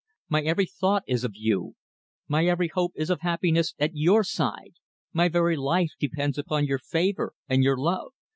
My every thought is of you; my every hope is of happiness at your side; my very life depends upon your favour and your love."